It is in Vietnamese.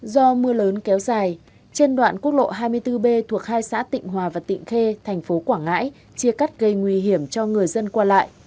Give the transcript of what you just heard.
do mưa lớn kéo dài trên đoạn quốc lộ hai mươi bốn b thuộc hai xã tịnh hòa và tịnh khê thành phố quảng ngãi chia cắt gây nguy hiểm cho người dân qua lại